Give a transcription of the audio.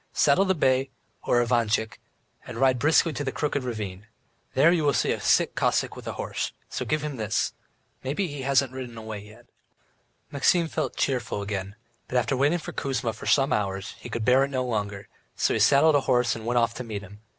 "Saddle the bay, or Ivantchik, and ride briskly to the Crooked Ravine. There you will see a sick Cossack with a horse, so give him this. Maybe he hasn't ridden away yet." Maxim felt cheerful again, but after waiting for Kuzma for some hours, he could bear it no longer, so he saddled a horse and went off to meet him.